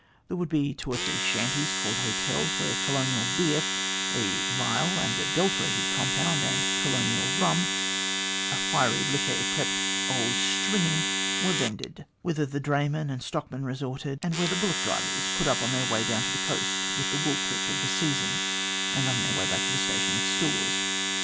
There would be two or three shanties, called hotels, where colonial beer, a vile and adulterated compound, and colonial rum, a fiery liquor yclept ' Old Stringy,' were vended ; whither the draymen and stockmen resorted, and where the bullock drivers put up on their way down to the coast with the wool clip of the season, and on their way back to the station with stores.